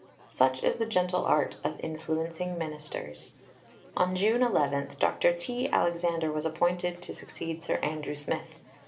Such is the gentle art of influencing Ministers. On June 11 Dr. T. Alexander was appointed to succeed Sir Andrew Smith.